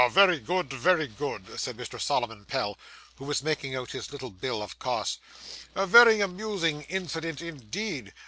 very good, very good,' said Mr. Solomon Pell, who was making out his little bill of costs; 'a very amusing incident indeed!